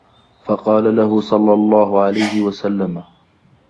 فَقَالَ لَهُ صَلَّى اللَّهُ عَلَيْهِ وَسَلَّمَ